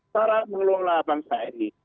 cara mengelola bangsa ini